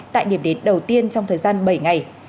tại điểm đến đầu tiên trong thời gian bảy ngày